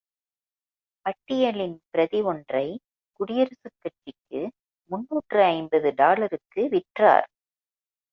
பட்டியலின் பிரதி ஒன்றை குடியரசுக் கட்சிக்கு முன்னூற்று ஐம்பது டாலருக்கு விற்றார்.